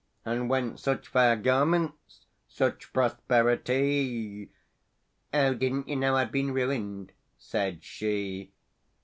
And whence such fair garments, such prosperi ty?"— "O didn't you know I'd been ruined?" said she.